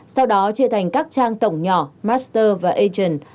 sau đó chia thành các trang tổng nhỏ master và ation